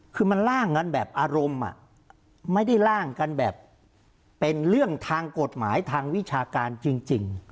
คือมันล่างกันแบบอารมณ์ไม่ได้ล่างกันแบบเป็นเรื่องทางกฎหมายทางวิชาการจริง